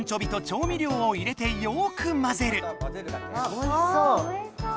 おいしそう。